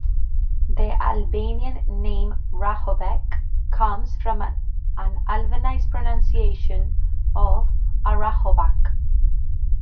The Albanian name "Rahovec" comes from an Albanised pronunciation of "Orahovac".